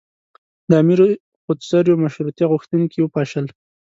د امیر خودسریو مشروطیه غوښتونکي وپاشل.